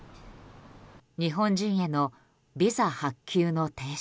日本人へのビザ発給の停止。